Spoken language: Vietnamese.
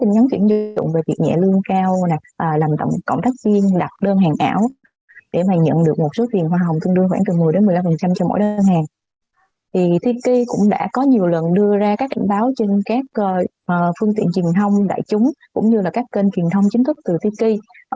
nội dung tin nhắn giả mạo yêu cầu người dùng kết bạn trên các phương tiện truyền thông đại chúng cũng như các kênh truyền thông chính thức từ tiki